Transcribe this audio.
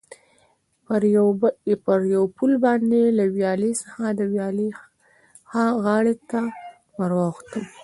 پر یو پل باندې له ویالې څخه د ویالې ها غاړې ته ور واوښتم.